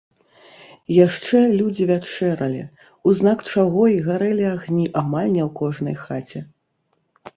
Яшчэ людзі вячэралі, у знак чаго й гарэлі агні амаль не ў кожнай хаце.